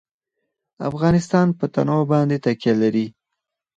افغانستان په تنوع باندې تکیه لري.